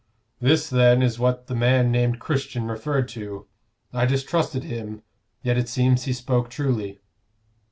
"This, then, is what the man named Christian referred to. I distrusted him, yet it seems he spoke truly."